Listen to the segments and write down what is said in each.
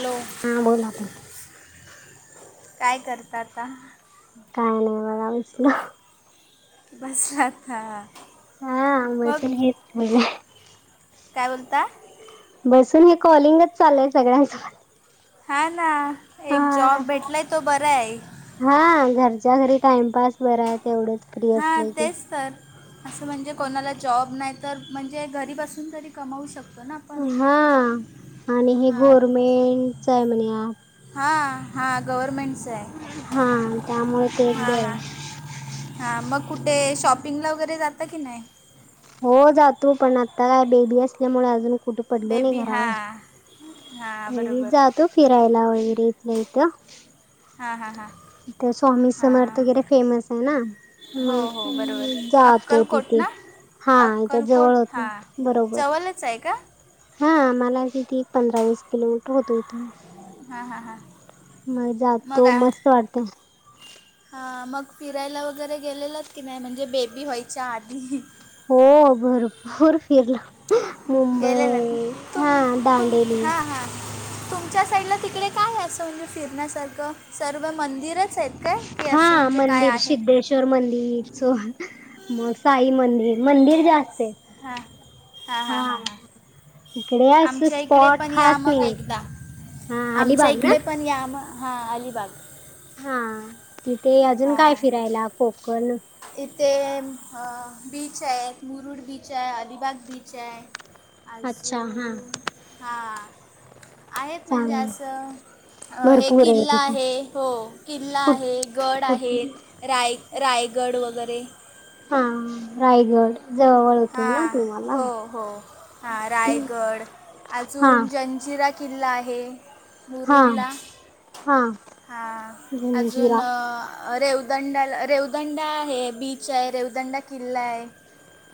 Hello. हा बोलाता. काय करत आता काय नाही बघा विच ना. बसलाथ. हा मशीन हेेत. काय बोलता. बसून हे कॉलिंगच चाललंय सगळ्यांच. हा ना एक जॉब भेटलाय तो बर आहे. हा घरच्या घरी टाइमपास बरा आहे तेवढेच फ्री हां असले की तेच तर असं म्हणजे कोणाला जॉब नाही तर म्हणजे घरी बसून तरी कमावू शकतो ना आपण हा आणि हे गव्हर्मेंट चाआहे म्हण हा ह. हा हा गव्हर्मेंटच आहे हा त्यामुळे ते एक हा बर हा. आहे हा मग कुठे शॉपिंग ला वगैरे जात की नाही. हो जातो पण आता काय बेबी असल्यामुळे अजून कुठे पडलो नाही बेबी घराबाहेर हां हां त बरोबर जात फिरायला वगैरे इथलं इथं. हां हां हां. तर स्वामी समर्थ हां वगैरे फेमस आहे ना. हो हो बरोबर मग जातो अक्कलकोट तिथे ना हा याच्यात अक्कलकोट जवळ होत हां बरोबर. जवळच आहे का? हा आ मला तिथी पंधरा वीस किलोमीटर होतो ई हां हां हां मग जात तो मस्त वाटते. हा मग फिरायला वगैरे गेलेलंत की नाही म्हणजे बेबी व्हायच्या आधी हो भरपूर फिरलो. गेलेलंत मुंबई तुम हा तुम दांडेली हां हां. तुमच्या साईडला तिकडे काय आहे असं म्हणजे फिरण्यासारखं सर्व मंदिरच आहेत. काय की असं म्हणजे काय आहे. श मंदिर स मग साई मंदिर मंदिर जास्त आहे. हा हा हा हा हा. इकडे असं आमच्या इकडे स्पॉट पण या खास मग नाही एकदा हा आमच्या अलिबाग इकडे ना पण या मग हां अलिबाग हा तिथे अजून काय हां फिरायला कोकण इथे बीच आहे मुरुड बीच आहे अलिबाग बीच आहे. अच्छा हा अजून ह. आहेत म्हणजे चांग असं. अ हे भरपूर किल्ला ठिकाण आहे हो किल्ला कुठ आहे गड कुठली आहेत. राय रायगड वगैरे हा रायगड जवळ होते ना हा तुम्हाला हो हो हा रायगड हा अजून जंजिरा किल्ला आहे. हा मुरुडला हा हां अजून जंजिरा रेवदंडाला रेवदंडा आहे बीच आहे रेवदंडा किल्ला आहे.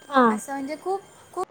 हा असं म्हणजे खूप खूप